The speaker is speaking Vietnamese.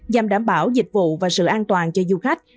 nhằm đảm bảo dịch vụ và sự an toàn cho du khách